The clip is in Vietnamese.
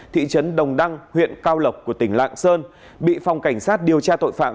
thị trấn đồng đăng huyện cao lộc của tỉnh lạng sơn bị phòng cảnh sát điều tra tội phạm